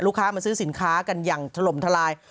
มาซื้อสินค้ากันอย่างถล่มทลาย